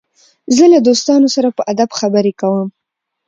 زه له دوستانو سره په ادب خبري کوم.